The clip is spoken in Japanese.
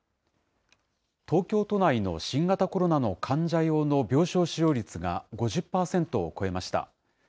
東京都内の新型コロナの患者用の病床使用率が５０％を超えました。